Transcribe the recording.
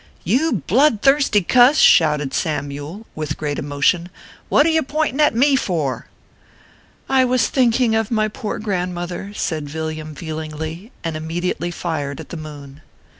" You blood thirsty cuss !" shouted Samyule, with great emotion, " what are you pointing at me for ?" "I was thinking of my poor grandmother/ said Villiam, feelingly ; and immediately fired at the moon.